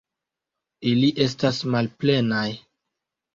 Ili estas malplenaj.